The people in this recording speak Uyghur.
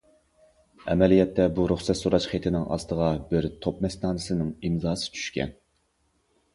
ئەمەلىيەتتە بۇ رۇخسەت سوراش خېتىنىڭ ئاستىغا بىر توپ مەستانىسىنىڭ ئىمزاسى چۈشكەن.